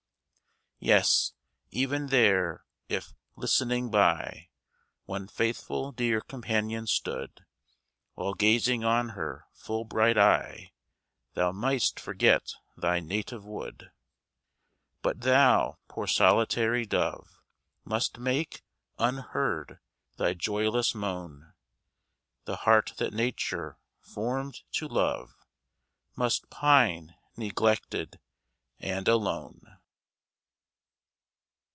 Yes, even there, if, listening by, One faithful dear companion stood, While gazing on her full bright eye, Thou mightst forget thy native wood But thou, poor solitary dove, Must make, unheard, thy joyless moan; The heart that Nature formed to love Must pine, neglected, and alone.